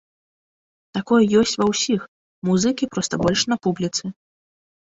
Такое ёсць ва ўсіх, музыкі проста больш на публіцы.